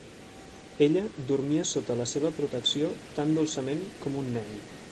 Ella dormia sota la seva protecció tan dolçament com un nen.